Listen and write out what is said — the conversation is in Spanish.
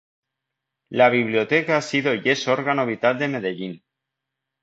La Biblioteca ha sido y es órgano vital de Medellín.